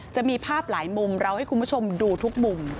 จะมีภาพหลายมุมเราให้คุณผู้ชมดูทุกมุม